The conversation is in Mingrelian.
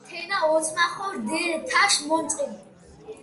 თენა ოწმახო რდჷ თაშ მონწყილი.